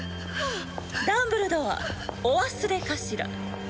ダンブルドアお忘れかしら？